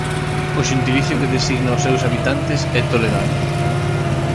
O xentilicio que designa os seus habitantes é "toledano".